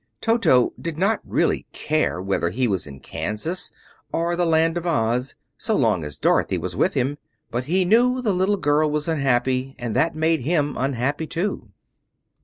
Toto did not really care whether he was in Kansas or the Land of Oz so long as Dorothy was with him; but he knew the little girl was unhappy, and that made him unhappy too.